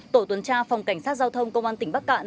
tổ tuần tra phòng cảnh sát giao thông công an tỉnh bắc cạn